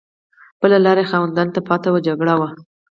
بله لار چې خاوندانو ته پاتې وه جګړه وه.